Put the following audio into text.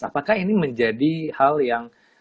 apakah ini menjadi hal yang